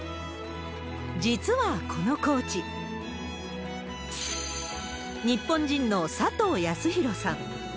実はこのコーチ、日本人の佐藤康弘さん。